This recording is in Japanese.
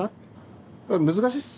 難しいっす。